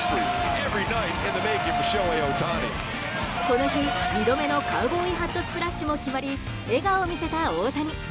この日、２度目のカウボーイハットスプラッシュも決まり笑顔を見せた大谷。